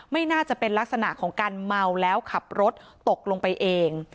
ไม่น่าจะเป็นลักษณะของการเมาแล้วขับรถตกลงไปเอง